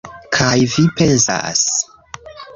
Kaj vi pensas